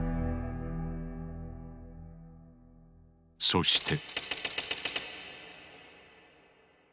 そして。